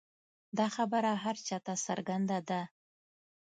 دا خبره هر چا ته څرګنده ده.